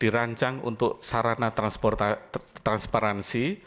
dirancang untuk sarana transparansi